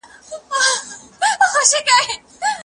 ټکنالوژي د زده کوونکو د پوهې کچه لوړوي او پراخوي.